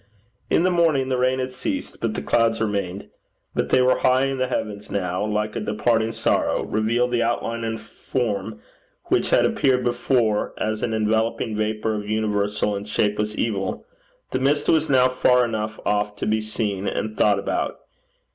In the morning the rain had ceased, but the clouds remained. But they were high in the heavens now, and, like a departing sorrow, revealed the outline and form which had appeared before as an enveloping vapour of universal and shapeless evil. The mist was now far enough off to be seen and thought about.